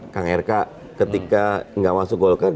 kang rk ketika nggak masuk golkar